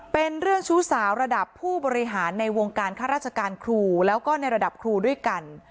เป็นเรื่องชู้สาวระดับผู้บริหารในวงการข้าราชการครูแล้วก็ในระดับครูด้วยกัน